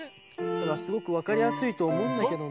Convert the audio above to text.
すごくわかりやすいとおもうんだけどな。